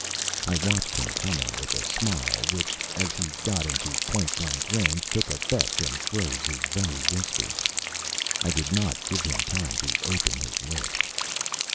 I watched him coming with a smile which, as he got into point blank range, took effect and froze his very whiskers. I did not give him time to open his lips.